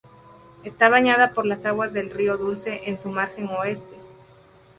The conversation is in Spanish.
Está bañada por las aguas del río Dulce en su margen oeste.